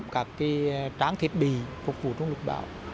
các cái tráng thịt bì phục vụ trong lực bảo